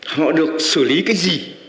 họ được xử lý cái gì